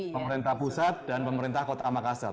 pemerintah pusat dan pemerintah kota makassar